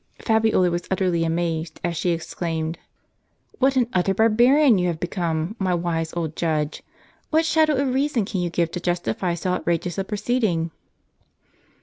Fabiola was utterly amazed, as she exclaimed :" What an utter barbarian you have become, my wise old judge! What shadow of I'eason can you give to justify so outrageous a pro ceeding?"